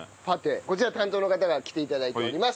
こちら担当の方が来て頂いております。